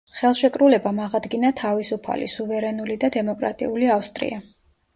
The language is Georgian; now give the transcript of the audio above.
ხელშეკრულებამ აღადგინა თავისუფალი, სუვერენული და დემოკრატიული ავსტრია.